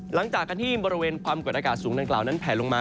หลังจากที่บริเวณความกดอากาศสูงดังกล่าวนั้นแผลลงมา